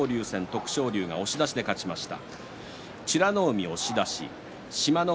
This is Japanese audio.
徳勝龍が押し出しで勝ちました。